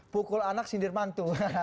pukul anak sindir mantu